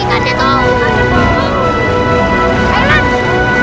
kamu kalau berani sama aku